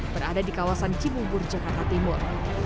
berada di kawasan cibubur jakarta timur